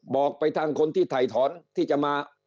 บอกไปทางคนที่ถ่ายถอนที่จะมา